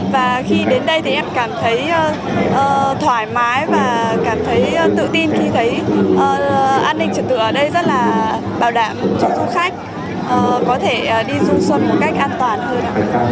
và khi đến đây thì em cảm thấy thoải mái và cảm thấy tự tin khi thấy an ninh trật tự ở đây rất là bảo đảm cho du khách có thể đi du xuân một cách an toàn hơn